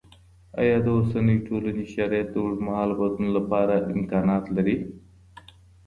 آیا د اوسني ټولني شرایط د اوږدمهاله بدلون لپاره امکانات لري؟